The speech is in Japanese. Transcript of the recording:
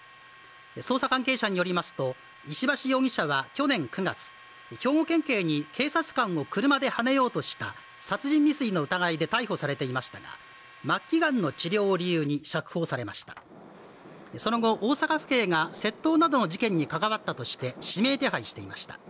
捜査関係者によりますと石橋容疑者は去年９月兵庫県警に警察官を車ではねようとした殺人未遂の疑いで逮捕されていましたが末期がんの治療を理由に釈放されましたその後大阪府警が窃盗などの事件に関わったとして指名手配していました